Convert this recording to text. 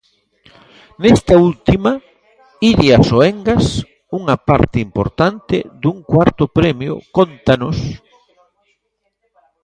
Nesta última, Iria Soengas, unha parte importante dun cuarto premio, cóntanos.